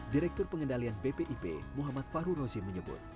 direktur pengendalian bpip muhammad fahru rozi menyebut